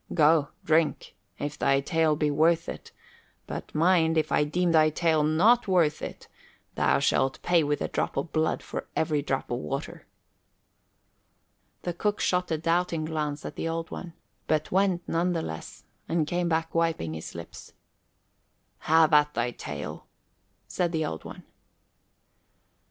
"Go, drink, if thy tale be worth it; but mind, if I deem thy tale not worth it, thou shalt pay with a drop of blood for every drop of water." The cook shot a doubting glance at the Old One, but went none the less, and came back wiping his lips. "Have at thy tale," said the Old One.